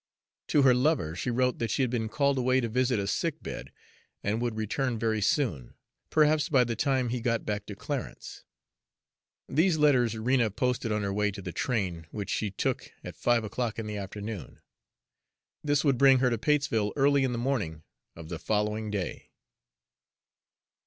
To her lover she wrote that she had been called away to visit a sick bed, and would return very soon, perhaps by the time he got back to Clarence. These letters Rena posted on her way to the train, which she took at five o'clock in the afternoon. This would bring her to Patesville early in the morning of the following day.